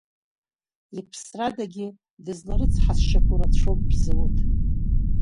Иԥсрадагьы, дызларыцҳасшьақәо рацәоуп Бзауҭ.